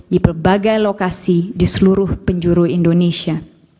di berbagai lokasi di seluruh penjuru indonesia